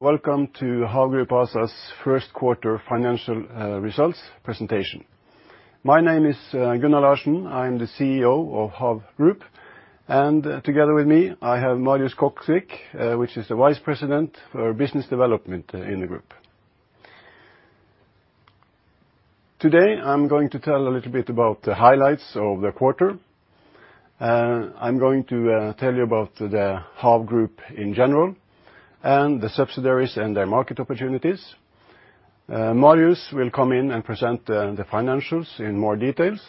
Welcome to HAV Group ASA's First Quarter Financial Results Presentation. My name is Gunnar Larsen. I'm the CEO of HAV Group, and together with me, I have Marius Koksvik, which is the Vice President for Business Development in the Group. Today, I'm going to tell a little bit about the highlights of the quarter. I'm going to tell you about the HAV Group in general and the subsidiaries and their market opportunities. Marius will come in and present the financials in more details,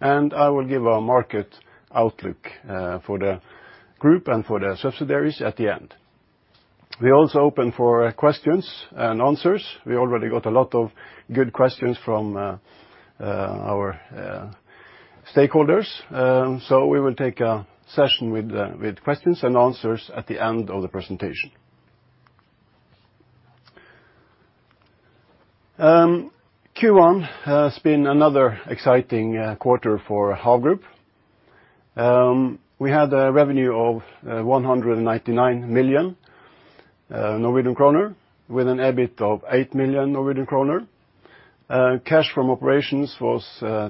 and I will give a market outlook for the group and for the subsidiaries at the end. We're also open for questions and answers. We already got a lot of good questions from our stakeholders, so we will take a session with questions and answers at the end of the presentation. Q1 has been another exciting quarter for HAV Group. We had a revenue of 199 million Norwegian kroner with an EBIT of 8 million Norwegian kroner. Cash from operations was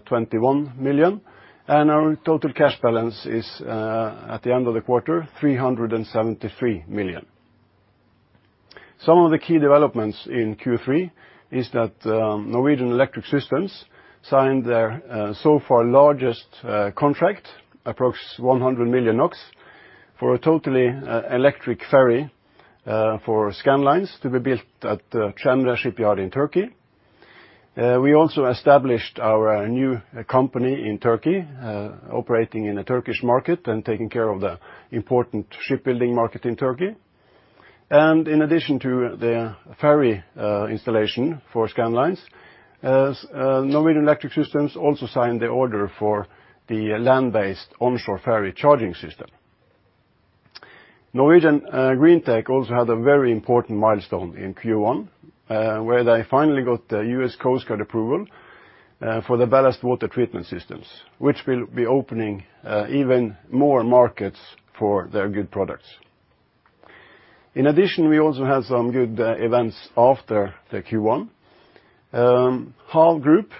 21 million, and our total cash balance is at the end of the quarter 373 million. Some of the key developments in Q3 is that Norwegian Electric Systems signed their so far largest contract, approx 100 million NOK, for a totally electric ferry for Scandlines to be built at the Cemre Shipyard in Turkey. We also established our new company in Turkey, operating in the Turkish market and taking care of the important shipbuilding market in Turkey. In addition to the ferry installation for Scandlines, Norwegian Electric Systems also signed the order for the land-based onshore ferry charging system. Norwegian Greentech also had a very important milestone in Q1, where they finally got the U.S. Coast Guard approval for the Ballast Water Treatment Systems, which will be opening even more markets for their good products. In addition, we also had some good events after the Q1. HAV Group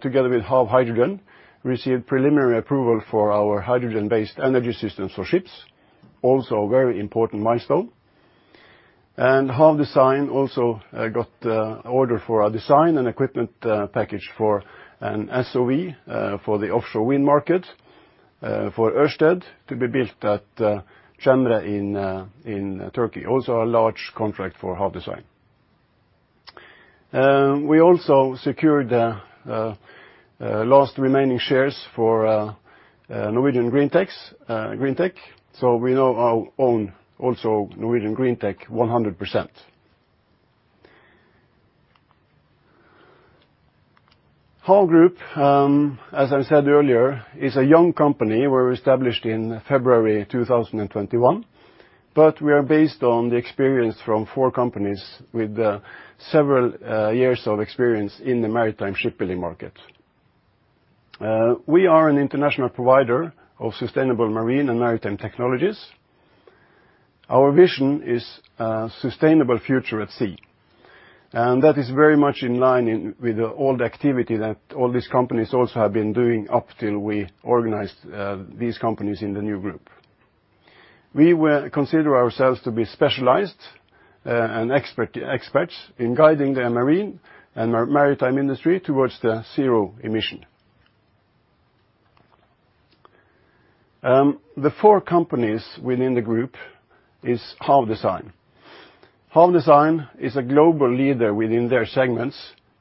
together with HAV Hydrogen received preliminary approval for our Hydrogen-Based Energy Systems for ships, also a very important milestone. HAV Design also got the order for a design and equipment package for an SOV for the offshore wind market for Ørsted to be built at Cemre in Turkey, also a large contract for HAV Design. We also secured the last remaining shares for Norwegian Greentech, so we now own also Norwegian Greentech 100%. HAV Group, as I said earlier, is a young company. We were established in February 2021, but we are based on the experience from four companies with several years of experience in the maritime shipbuilding market. We are an international provider of sustainable marine and maritime technologies. Our vision is a sustainable future at sea, and that is very much in line with the old activity that all these companies also have been doing up till we organized these companies in the new group. We will consider ourselves to be specialized and experts in guiding the marine and maritime industry towards the zero emission. The four companies within the group is HAV Design. HAV Design is a global leader within their segments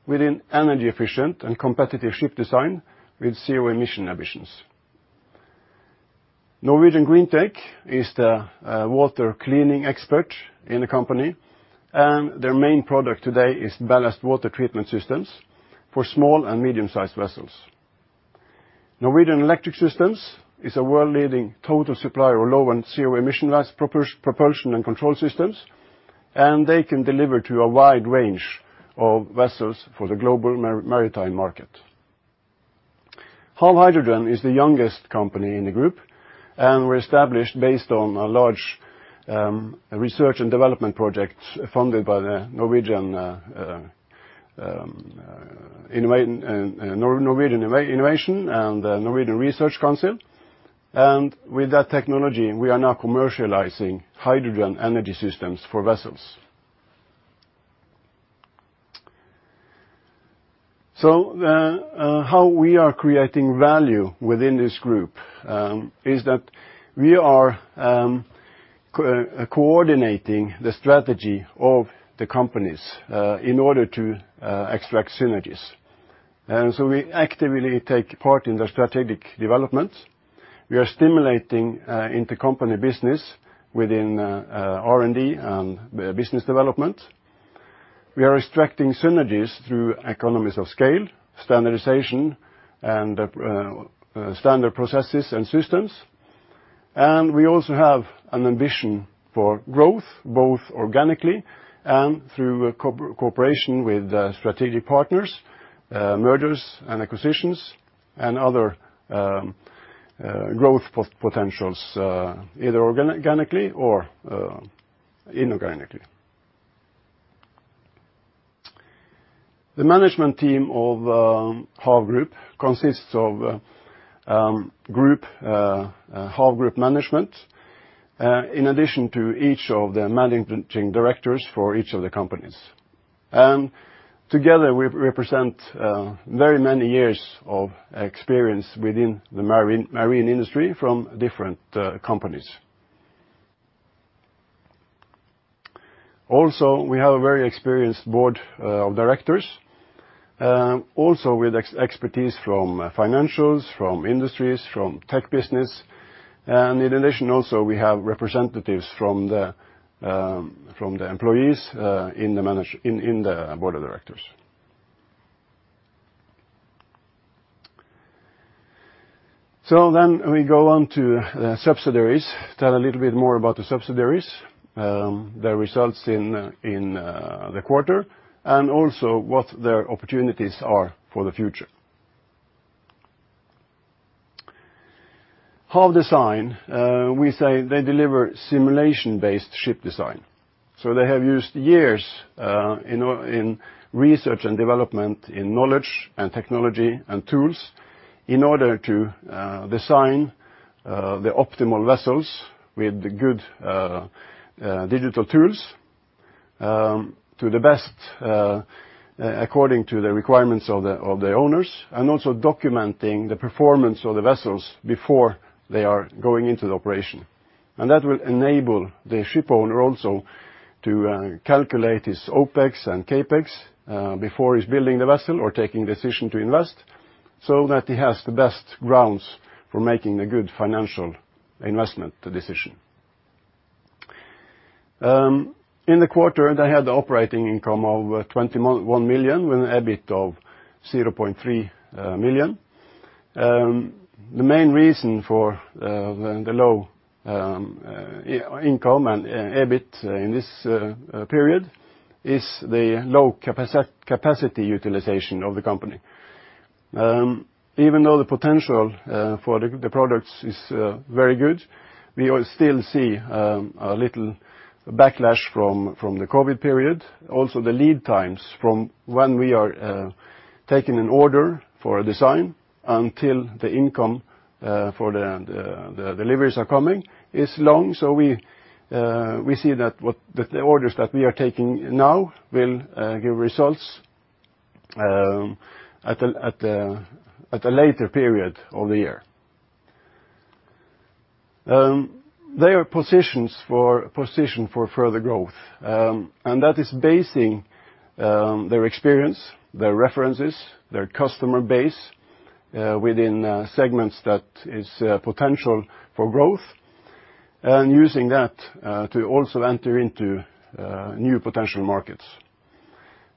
within energy efficient and competitive ship design with zero emission ambitions. Norwegian Greentech is the water cleaning expert in the company, and their main product today is Ballast Water Treatment Systems for small and medium-sized vessels. Norwegian Electric Systems is a world-leading total supplier of low and zero emission propulsion and control systems, and they can deliver to a wide range of vessels for the global maritime market. HAV Hydrogen is the youngest company in the group, and were established based on a large research and development project funded by Innovation Norway and the Research Council of Norway. With that technology, we are now commercializing Hydrogen Energy Systems for vessels. How we are creating value within this group is that we are coordinating the strategy of the companies in order to extract synergies. We actively take part in the strategic developments. We are stimulating intercompany business within R&D and business development. We are extracting synergies through economies of scale, standardization and standard processes and systems. We also have an ambition for growth, both organically and through cooperation with strategic partners. Mergers and acquisitions and other growth potentials either organically or inorganically. The management team of HAV Group consists of group HAV Group management in addition to each of the managing directors for each of the companies. Together we represent very many years of experience within the maritime industry from different companies. Also, we have a very experienced Board of Directors also with expertise from financials, from industries, from tech business. In addition also, we have representatives from the employees in the Board of Directors. We go on to the subsidiaries. Tell a little bit more about the subsidiaries, their results in the quarter, and also what their opportunities are for the future. HAV Design, we say they deliver simulation-based ship design. They have used years in research and development, in knowledge and technology and tools in order to design the optimal vessels with good digital tools to the best according to the requirements of the owners, and also documenting the performance of the vessels before they are going into the operation. That will enable the shipowner also to calculate his OpEx and CapEx before he's building the vessel or taking the decision to invest, so that he has the best grounds for making a good financial investment decision. In the quarter, they had operating income of 21 million with an EBIT of 0.3 million. The main reason for the low income and EBIT in this period is the low capacity utilization of the company. Even though the potential for the products is very good, we still see a little backlash from the COVID period. Also, the lead times from when we are taking an order for a design until the income for the deliveries are coming is long. We see that the orders that we are taking now will give results at a later period of the year. They are positioned for further growth. That is based on their experience, their references, their customer base within segments that have potential for growth, and using that to also enter into new potential markets.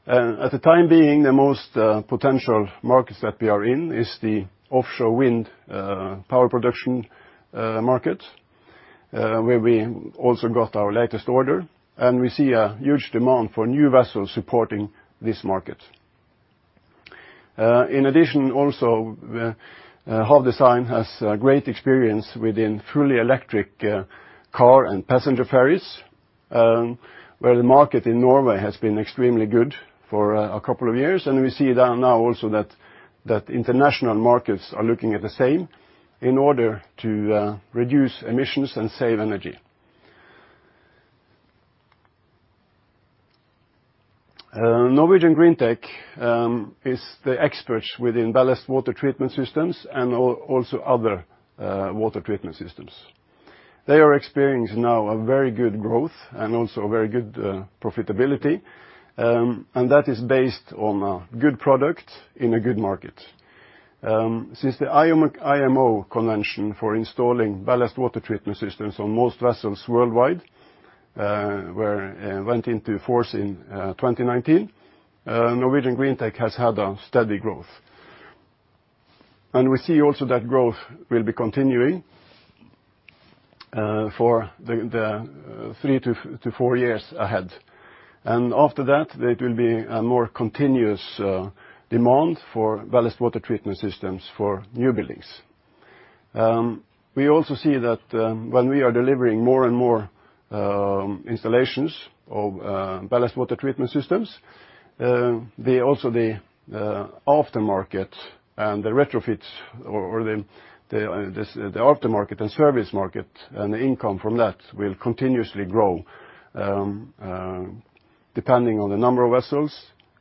At the time being, the most potential markets that we are in are the offshore wind power production market, where we also got our latest order, and we see a huge demand for new vessels supporting this market. In addition, also, HAV Design has great experience within fully electric car and passenger ferries, where the market in Norway has been extremely good for a couple of years. We see that now also that international markets are looking at the same in order to reduce emissions and save energy. Norwegian Greentech is the experts within Ballast Water Treatment Systems and also other Water Treatment Systems. They are experiencing now a very good growth and also very good profitability. That is based on a good product in a good market. Since the IMO Convention for installing Ballast Water Treatment Systems on most vessels worldwide went into force in 2019, Norwegian Greentech has had a steady growth. We see also that growth will be continuing for the three to four years ahead. After that, it will be a more continuous demand for Ballast Water Treatment Systems for new buildings. We also see that when we are delivering more and more installations of Ballast Water Treatment Systems, also the aftermarket and the retrofits or the aftermarket and service market and the income from that will continuously grow depending on the number of vessels,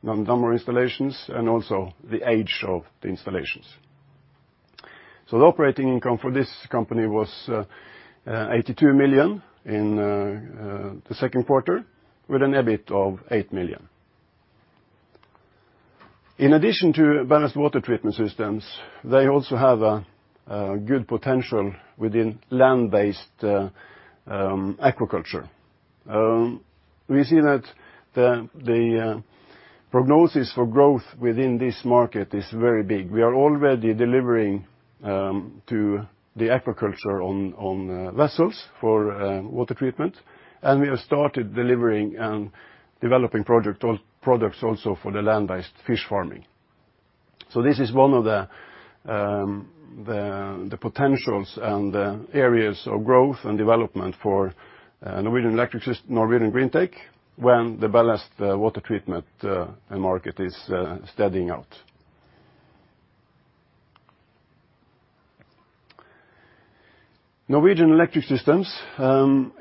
on the number of installations, and also the age of the installations. The operating income for this company was 82 million in the second quarter with an EBIT of 8 million. In addition to Ballast Water Treatment Systems, they also have a good potential within land-based aquaculture. We see that the prognosis for growth within this market is very big. We are already delivering to the aquaculture on vessels for water treatment. We have started delivering and developing products also for the land-based fish farming. This is one of the potentials and areas of growth and development for Norwegian Greentech when the Ballast Water Treatment end market is steadying out. Norwegian Electric Systems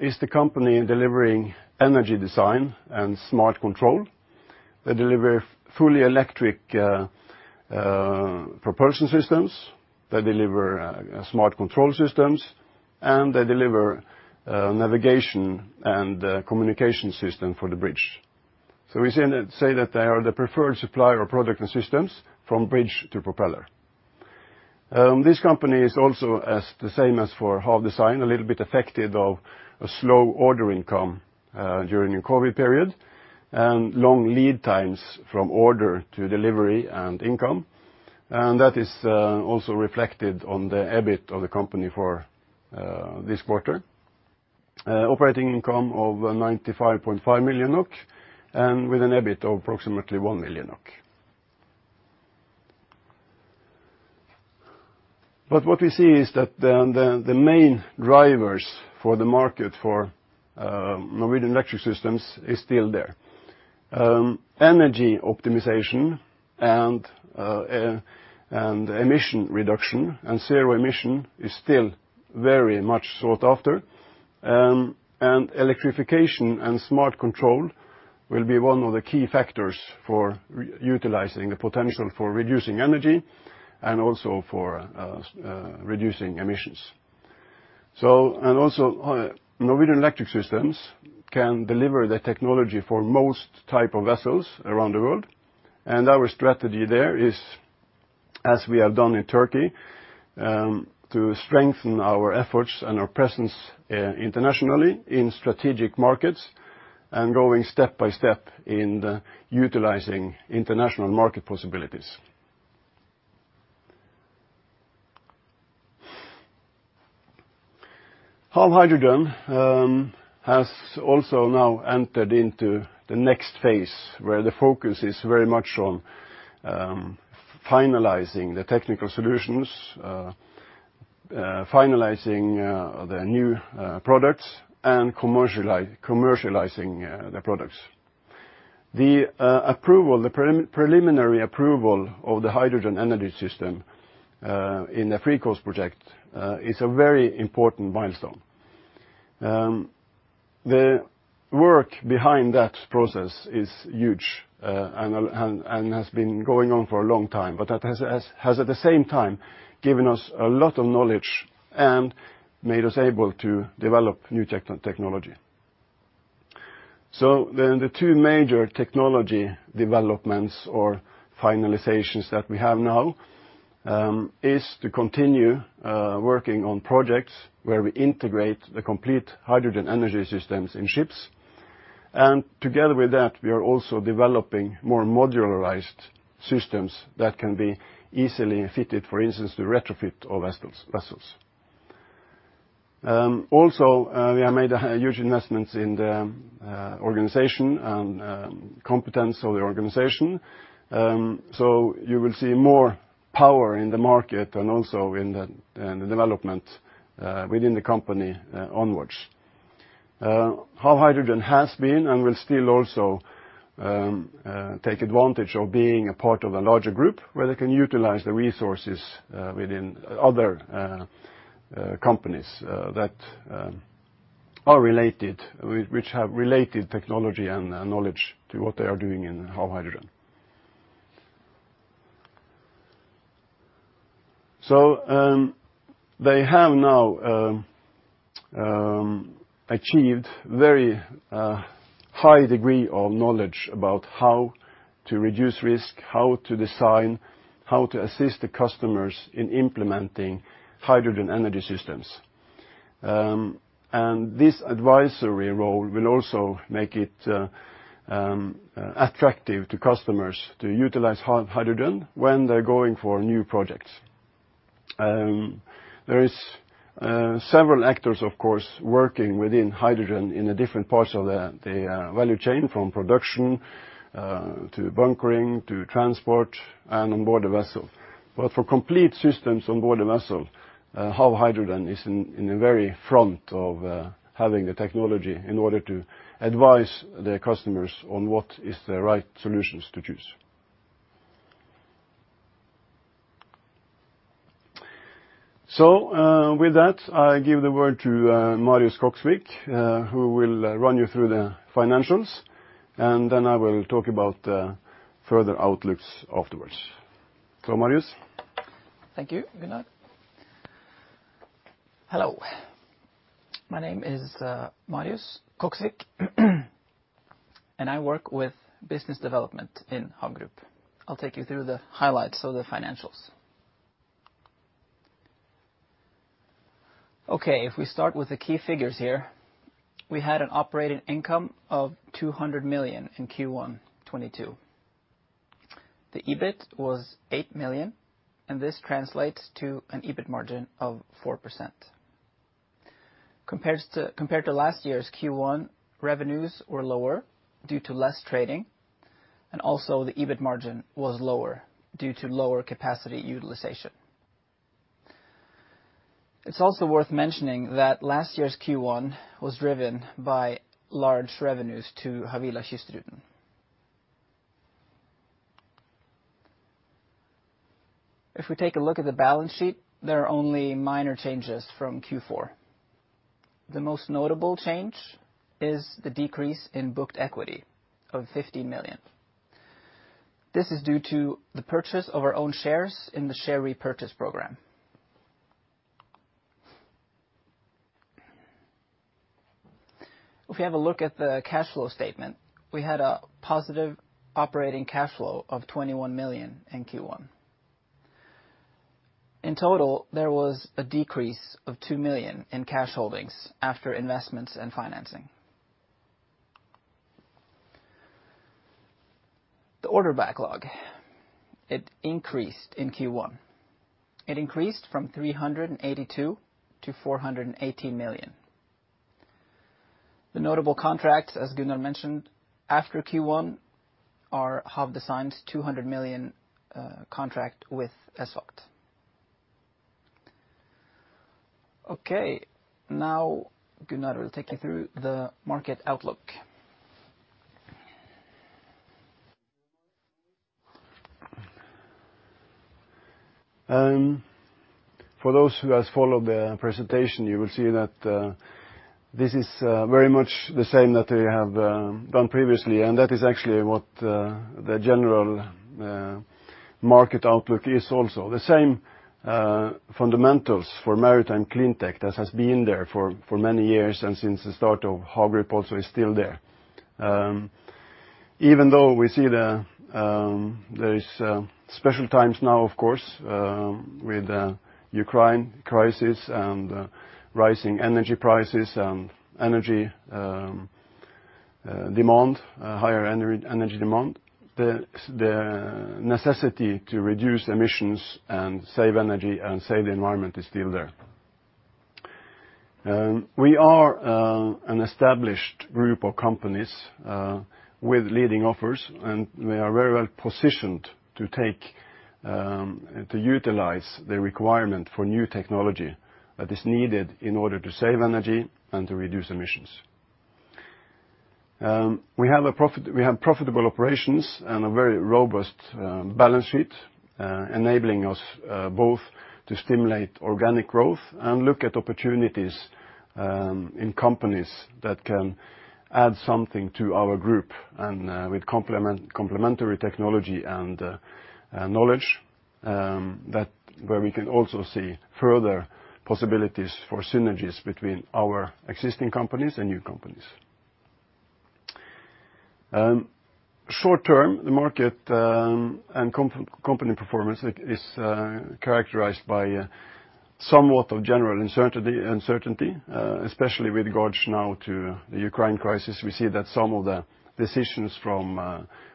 is the company delivering Energy Design and Smart Control. They deliver fully electric propulsion systems. They deliver smart control systems, and they deliver navigation and communication system for the bridge. We say that they are the preferred supplier of product and systems from bridge to propeller. This company is also, as the same as for HAV Design, a little bit affected by a slow order intake during the COVID period, and long lead times from order to delivery and income. That is also reflected in the EBIT of the company for this quarter. Operating income of 95.5 million NOK and with an EBIT of approximately 1 million NOK. What we see is that the main drivers for the market for Norwegian Electric Systems is still there. Energy optimization and emission reduction and zero-emission is still very much sought after. Electrification and Smart Control will be one of the key factors for realizing the potential for reducing energy and also for reducing emissions. Norwegian Electric Systems can deliver the technology for most type of vessels around the world, and our strategy there is, as we have done in Turkey, to strengthen our efforts and our presence internationally in strategic markets and going step by step in utilizing international market possibilities. HAV Hydrogen has also now entered into the next phase where the focus is very much on finalizing the technical solutions, finalizing the new products, and commercializing the products. The approval, the preliminary approval of the Hydrogen Energy System in the FreeCO2ast project, is a very important milestone. The work behind that process is huge, and has been going on for a long time, but that has at the same time given us a lot of knowledge and made us able to develop new technology. The two major technology developments or finalizations that we have now is to continue working on projects where we integrate the complete Hydrogen Energy Systems in ships, and together with that, we are also developing more modularized systems that can be easily fitted, for instance, to retrofit of vessels. Also, we have made a huge investments in the organization and competence of the organization. You will see more power in the market and also in the development within the company onwards. HAV Hydrogen has been and will still also take advantage of being a part of a larger group where they can utilize the resources within other companies that are related, which have related technology and knowledge to what they are doing in HAV Hydrogen. They have now achieved very high degree of knowledge about how to reduce risk, how to design, how to assist the customers in implementing Hydrogen Energy Systems. This advisory role will also make it attractive to customers to utilize HAV Hydrogen when they're going for new projects. There is several actors, of course, working within hydrogen in the different parts of the value chain from production to bunkering to transport, and onboard the vessel. For complete systems onboard the vessel, HAV Hydrogen is in the very front of having the technology in order to advise their customers on what is the right solutions to choose. With that, I give the word to Marius Koksvik, who will run you through the financials, and then I will talk about further outlooks afterwards. Marius. Thank you. Good night. Hello. My name is Marius Koksvik, and I work with Business Development in HAV Group. I'll take you through the highlights of the financials. Okay, if we start with the key figures here, we had an operating income of 200 million in Q1 2022. The EBIT was 8 million, and this translates to an EBIT margin of 4%. Compared to last year's Q1, revenues were lower due to less trading, and also the EBIT margin was lower due to lower capacity utilization. It's also worth mentioning that last year's Q1 was driven by large revenues to Havila Kystruten. If we take a look at the balance sheet, there are only minor changes from Q4. The most notable change is the decrease in booked equity of 50 million. This is due to the purchase of our own shares in the share repurchase program. If we have a look at the cash flow statement, we had a positive operating cash flow of 21 million in Q1. In total, there was a decrease of 2 million in cash holdings after investments and financing. The order backlog, it increased in Q1. It increased from 382 million-418 million. The notable contract, as Gunnar mentioned, after Q1 are HAV Design's NOK 200 million contract with ESVAGT. Okay. Now, Gunnar will take you through the market outlook. For those who has followed the presentation, you will see that this is very much the same that we have done previously, and that is actually what the general market outlook is also. The same fundamentals for Maritime CleanTech that has been there for many years and since the start of HAV Group also is still there. Even though we see the there is special times now, of course, with the Ukraine crisis and rising energy prices and energy demand, higher energy demand, the necessity to reduce emissions and save energy and save the environment is still there. We are an established group of companies with leading offers, and we are very well-positioned to take to utilize the requirement for new technology that is needed in order to save energy and to reduce emissions. We have profitable operations and a very robust balance sheet enabling us both to stimulate organic growth and look at opportunities in companies that can add something to our group and with complementary technology and knowledge that where we can also see further possibilities for synergies between our existing companies and new companies. Short-term, the market and company performance is characterized by somewhat of general uncertainty, especially with regards now to the Ukraine crisis. We see that some of the decisions from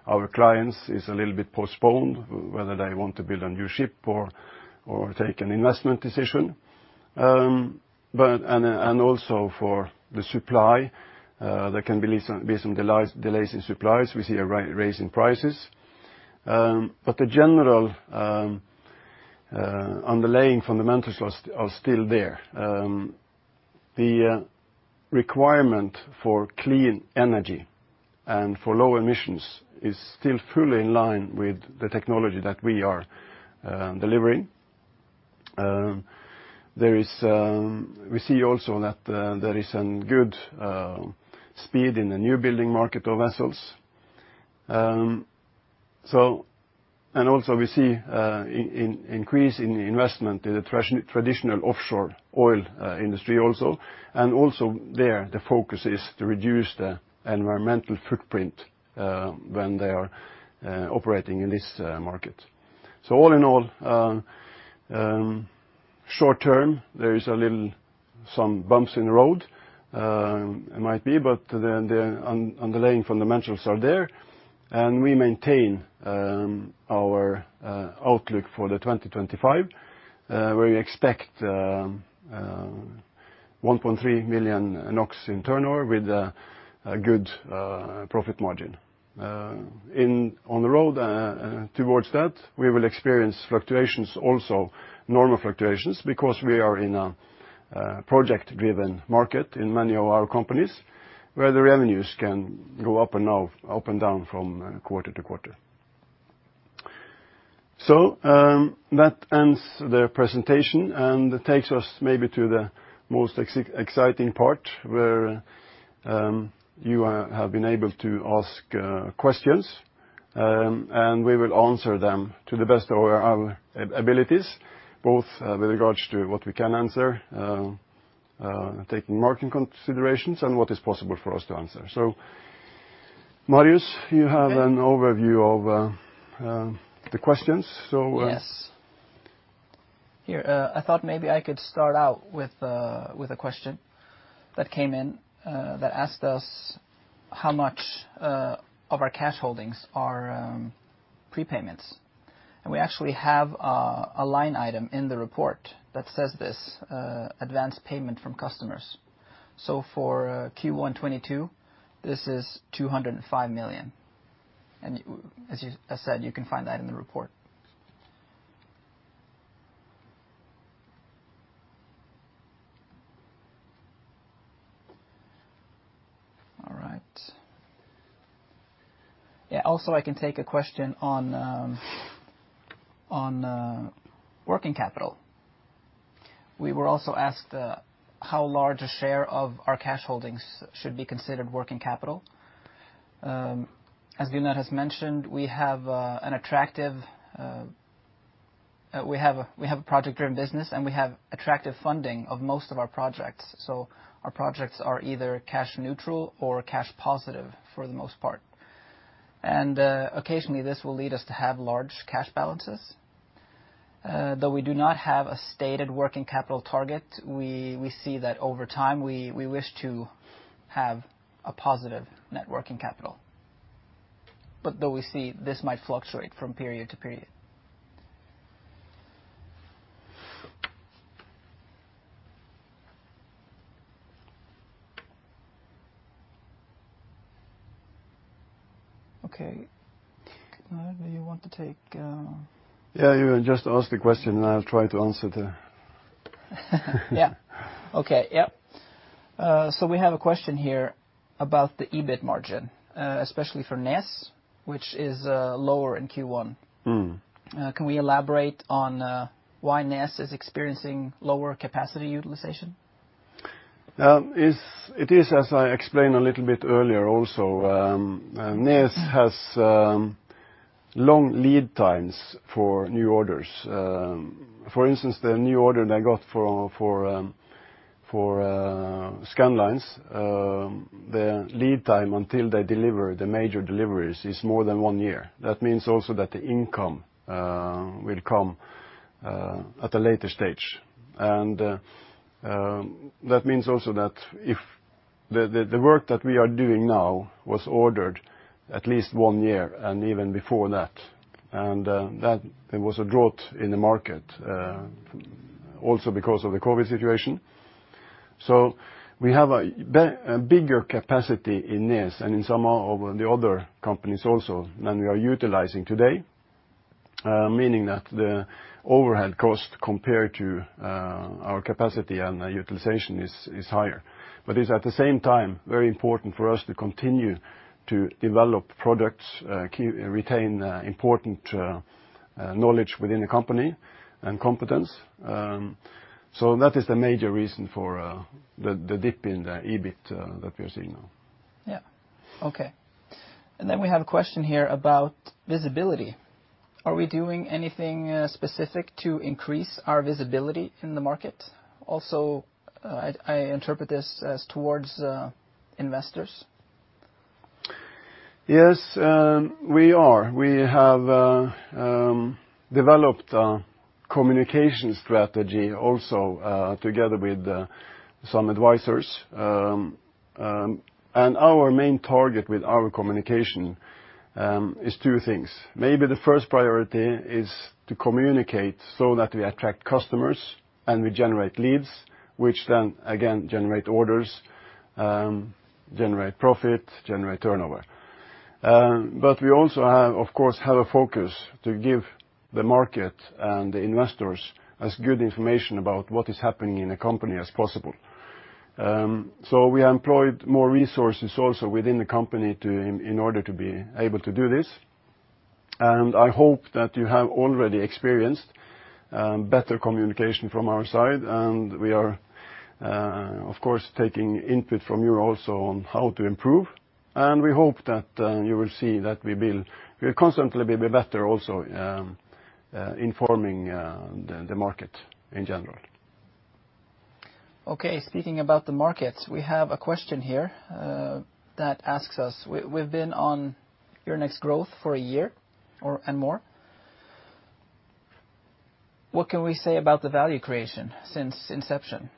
our clients is a little bit postponed, whether they want to build a new ship or take an investment decision. For the supply, there can be at least some delays in supplies. We see a rise in prices. The general underlying fundamentals are still there. The requirement for clean energy and for low emissions is still fully in line with the technology that we are delivering. We see also that there is some good speed in the new building market of vessels. We see an increase in investment in the traditional offshore oil industry also. Also there, the focus is to reduce the environmental footprint when they are operating in this market. All in all, short-term, there is some bumps in the road, it might be, but the underlying fundamentals are there. We maintain our outlook for 2025, where we expect 1.3 million NOK in turnover with a good profit margin. On the road towards that, we will experience fluctuations also, normal fluctuations, because we are in a project-driven market in many of our companies, where the revenues can go up and down from quarter to quarter. That ends the presentation and takes us maybe to the most exciting part, where you have been able to ask questions, and we will answer them to the best of our abilities, both with regards to what we can answer, taking market considerations and what is possible for us to answer. Marius, you have an overview of the questions, so- Yes. Here, I thought maybe I could start out with a question that came in that asked us how much of our cash holdings are prepayments. We actually have a line item in the report that says this, advance payment from customers. For Q1 2022, this is 205 million. As you said, you can find that in the report. All right. Yeah, also I can take a question on working capital. We were also asked how large a share of our cash holdings should be considered working capital. As Gunnar has mentioned, we have a project-driven business, and we have attractive funding of most of our projects. Our projects are either cash neutral or cash positive for the most part. Occasionally this will lead us to have large cash balances. Though we do not have a stated working capital target, we see that over time we wish to have a positive net working capital. Though we see this might fluctuate from period to period. Okay. Gunnar, do you want to take, Yeah, you just ask the question, and I'll try to answer the. Yeah. Okay, yep. We have a question here about the EBIT margin, especially for NES, which is lower in Q1. Mm. Can we elaborate on why NES is experiencing lower capacity utilization? It is as I explained a little bit earlier also, NES has long lead times for new orders. For instance, the new order they got for Scandlines, the lead time until they deliver the major deliveries is more than one year. That means also that the income will come at a later stage. That means also that if the work that we are doing now was ordered at least one year and even before that there was a drought in the market also because of the COVID situation. We have a bigger capacity in NES and in some of the other companies also than we are utilizing today, meaning that the overhead cost compared to our capacity and utilization is higher. It's at the same time very important for us to continue to develop products, retain important knowledge within the company and competence. That is the major reason for the dip in the EBIT that we are seeing now. Yeah. Okay. We have a question here about visibility. Are we doing anything specific to increase our visibility in the market? Also, I interpret this as towards investors. Yes, we are. We have developed a communication strategy also, together with some advisors. Our main target with our communication is two things. Maybe the first priority is to communicate so that we attract customers and we generate leads, which then again generate orders, generate profit, generate turnover. We also have, of course, a focus to give the market and the investors as good information about what is happening in the company as possible. We employed more resources also within the company in order to be able to do this. I hope that you have already experienced better communication from our side. We are, of course, taking input from you also on how to improve. We hope that you will see that we will constantly be better also informing the market in general. Okay, speaking about the market, we have a question here that asks us, we've been on Euronext Growth for a year or so and more. What can we say about the value creation since inception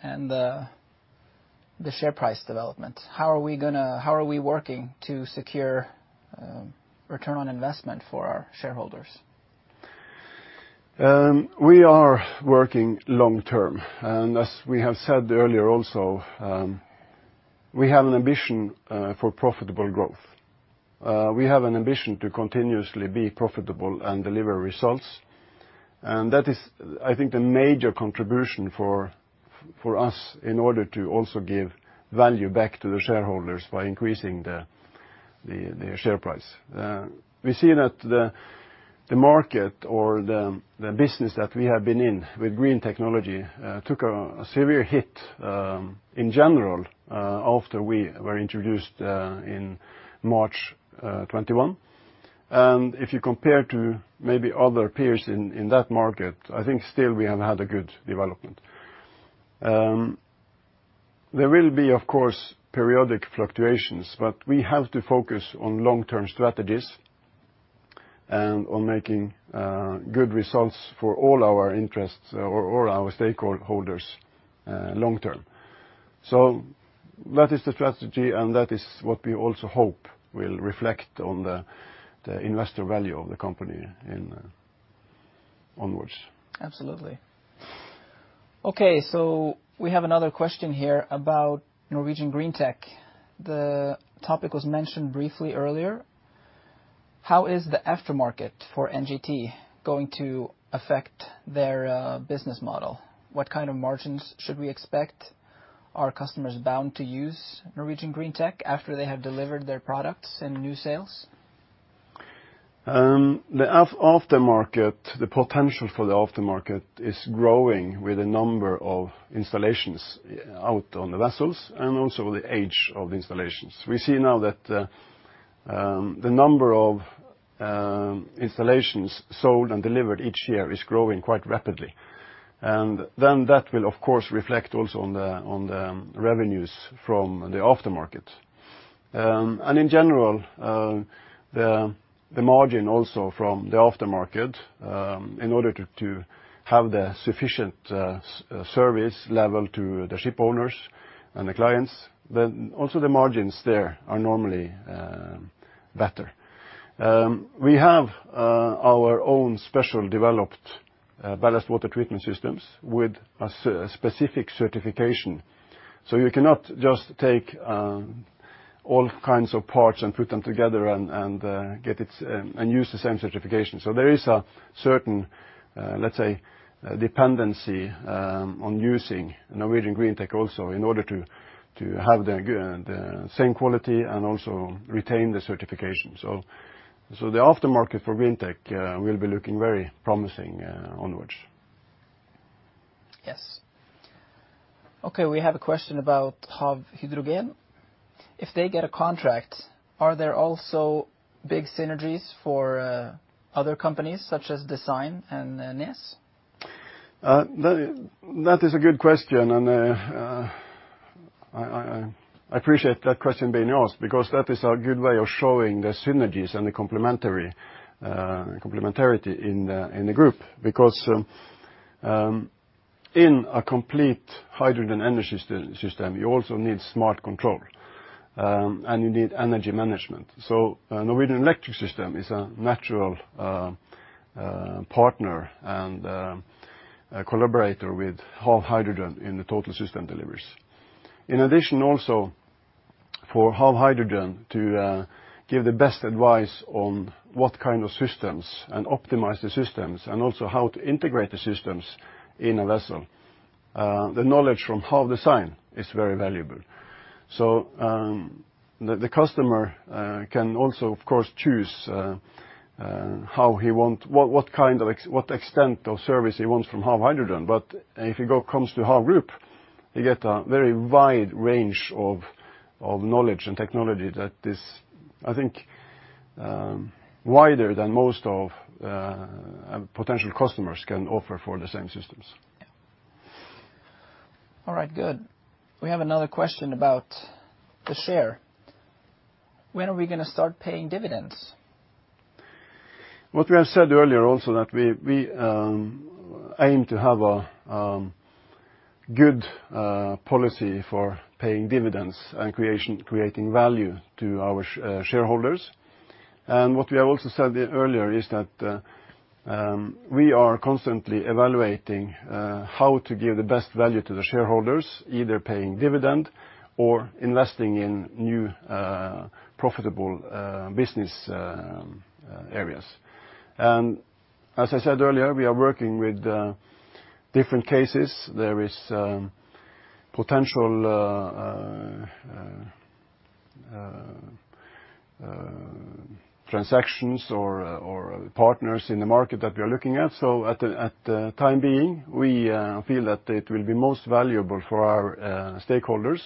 and the share price development? How are we working to secure return on investment for our shareholders? We are working long term. As we have said earlier also, we have an ambition for profitable growth. We have an ambition to continuously be profitable and deliver results. That is, I think, the major contribution for us in order to also give value back to the shareholders by increasing the share price. We see that the market or the business that we have been in with green technology took a severe hit in general after we were introduced in March 2021. If you compare to maybe other peers in that market, I think still we have had a good development. There will be, of course, periodic fluctuations, but we have to focus on long-term strategies and on making good results for all our interests or all our stakeholders long term. That is the strategy and that is what we also hope will reflect on the investor value of the company onwards. Absolutely. Okay, we have another question here about Norwegian Greentech. The topic was mentioned briefly earlier. How is the aftermarket for NGT going to affect their business model? What kind of margins should we expect? Are customers bound to use Norwegian Greentech after they have delivered their products and new sales? The aftermarket, the potential for the aftermarket is growing with a number of installations out on the vessels and also the age of installations. We see now that the number of installations sold and delivered each year is growing quite rapidly. That will, of course, reflect also on the revenues from the aftermarket. In general, the margin also from the aftermarket in order to have the sufficient service level to the ship owners and the clients, then also the margins there are normally better. We have our own special developed Ballast Water Treatment Systems with a specific certification. You cannot just take all kinds of parts and put them together and get it and use the same certification. There is a certain, let's say, dependency on using Norwegian Greentech also in order to have the same quality and also retain the certification. The aftermarket for Greentech will be looking very promising onwards. Yes. Okay, we have a question about HAV hydrogen, if they get a contract, are there also big synergies for, other companies such as Design and, NES? That is a good question and I appreciate that question being asked because that is a good way of showing the synergies and the complementarity in the group. In a complete Hydrogen Energy System, you also need Smart Control and you need energy management. Norwegian Electric Systems is a natural partner and a collaborator with HAV Hydrogen in the total system deliveries. In addition, also for HAV Hydrogen to give the best advice on what kind of systems and optimize the systems and also how to integrate the systems in a vessel, the knowledge from HAV Design is very valuable. The customer can also, of course, choose how he want what extent of service he wants from HAV Hydrogen. When it comes to HAV Group, you get a very wide range of knowledge and technology that is, I think, wider than most of potential competitors can offer for the same systems. Yeah. All right, good. We have another question about the share. When are we gonna start paying dividends? What we have said earlier also that we aim to have a good policy for paying dividends and creating value to our shareholders. What we have also said earlier is that we are constantly evaluating how to give the best value to the shareholders, either paying dividend or investing in new profitable business areas. As I said earlier, we are working with different cases. There is potential transactions or partners in the market that we are looking at. At the time being, we feel that it will be most valuable for our stakeholders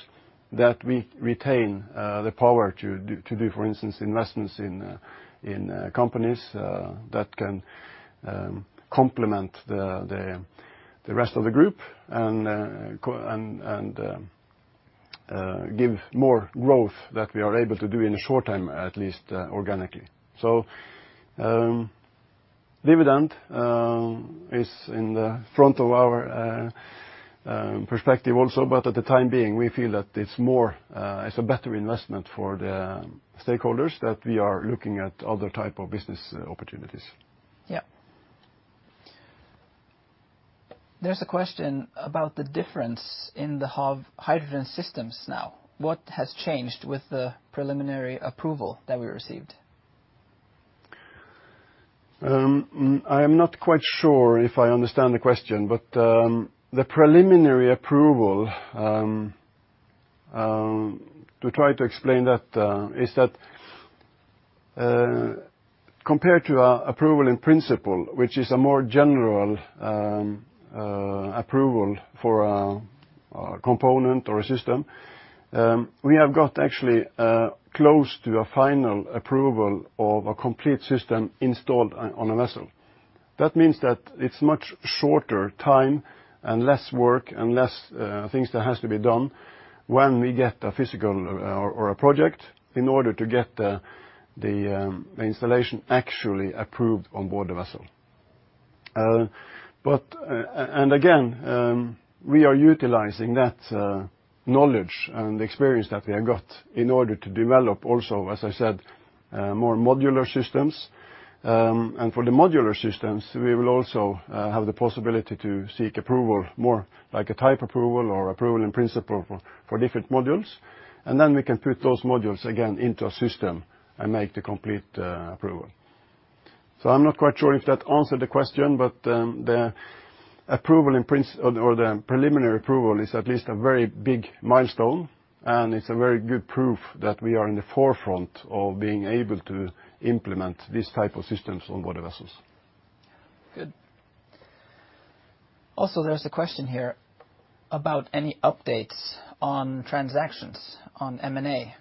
that we retain the power to do, for instance, investments in companies that can complement the rest of the group and give more growth that we are able to do in a short time, at least organically. Dividend is in the front of our perspective also, but at the time being, we feel that it's a better investment for the stakeholders that we are looking at other type of business opportunities. Yeah. There's a question about the difference in the HAV Hydrogen Systems now. What has changed with the preliminary approval that we received? I am not quite sure if I understand the question, but the preliminary approval, to try to explain that, is that compared to a approval in principle, which is a more general approval for a component or a system, we have got actually close to a final approval of a complete system installed on a vessel. That means that it is much shorter time and less work and less things that has to be done when we get a physical or a project in order to get the installation actually approved on board the vessel. We are utilizing that knowledge and experience that we have got in order to develop also, as I said, more modular systems. For the modular systems, we will also have the possibility to seek approval more like a type approval or approval in principle for different modules. We can put those modules again into a system and make the complete approval. I'm not quite sure if that answered the question, but the preliminary approval is at least a very big milestone, and it's a very good proof that we are in the forefront of being able to implement these type of systems on board the vessels. Good. Also, there's a question here about any updates on transactions on M&A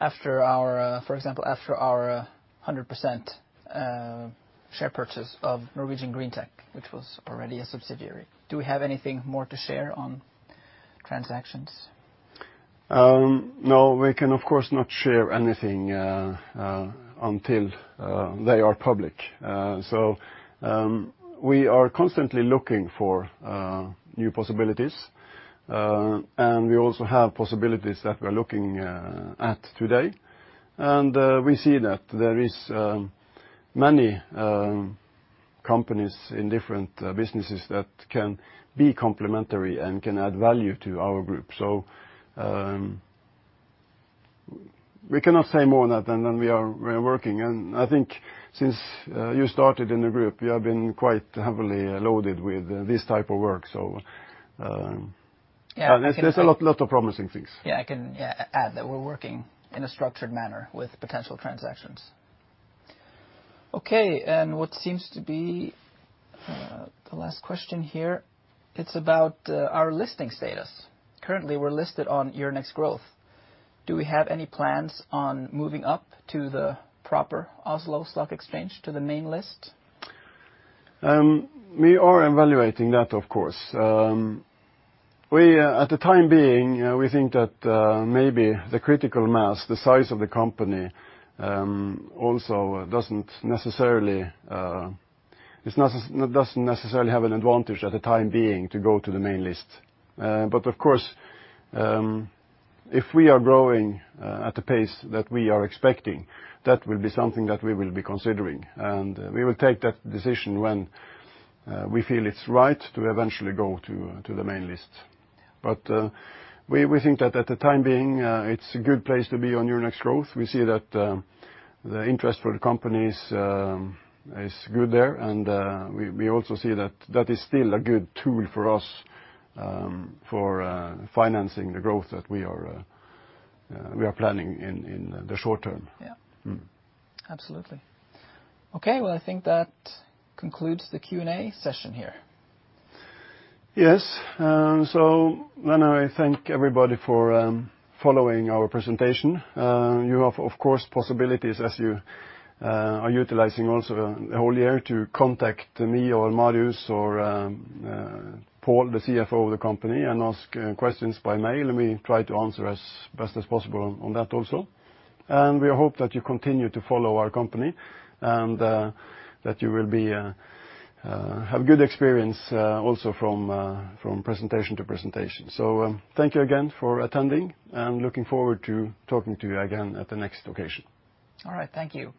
after our, for example, after our 100% share purchase of Norwegian Greentech, which was already a subsidiary. Do we have anything more to share on transactions? No. We can of course not share anything until they are public. We are constantly looking for new possibilities. We also have possibilities that we are looking at today. We see that there is many companies in different businesses that can be complementary and can add value to our group. We cannot say more on that than we are working. I think since you started in the group, you have been quite heavily loaded with this type of work. Yeah, I can. There's a lot of promising things. Yeah, I can, yeah, add that we're working in a structured manner with potential transactions. Okay, what seems to be the last question here, it's about our listing status. Currently, we're listed on Euronext Growth. Do we have any plans on moving up to the proper Oslo Stock Exchange, to the main list? We are evaluating that, of course. For the time being, we think that maybe the critical mass, the size of the company, also doesn't necessarily have an advantage for the time being to go to the main list. Of course, if we are growing at the pace that we are expecting, that will be something that we will be considering, and we will take that decision when we feel it's right to eventually go to the main list. We think that for the time being, it's a good place to be on Euronext Growth. We see that the interest for the company is good there and we also see that is still a good tool for us for financing the growth that we are planning in the short term. Yeah. Mm. Absolutely. Okay, well, I think that concludes the Q&A session here. Yes. I thank everybody for following our presentation. You have, of course, possibilities as you are utilizing also the whole year to contact me or Marius or Pål, the CFO of the company, and ask questions by mail, and we try to answer as best as possible on that also. We hope that you continue to follow our company and that you will have good experience also from presentation to presentation. Thank you again for attending and looking forward to talking to you again at the next occasion. All right. Thank you.